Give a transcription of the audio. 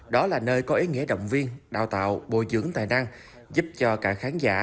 đó là nơi có ý nghĩa động viên đào tạo bồi dưỡng tài năng giúp cho cả khán giả